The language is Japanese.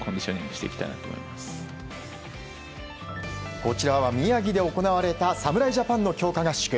こちらは宮城で行われた侍ジャパンの強化合宿。